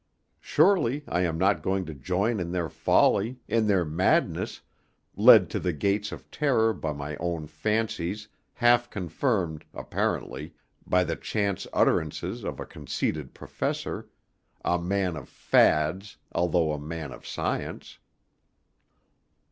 Surely I am not going to join in their folly, in their madness, led to the gates of terror by my own fancies, half confirmed, apparently, by the chance utterances of a conceited Professor a man of fads, although a man of science.